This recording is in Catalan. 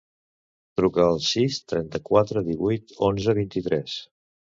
Truca al sis, trenta-quatre, divuit, onze, vint-i-tres.